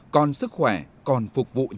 con sức khỏe con sức khỏe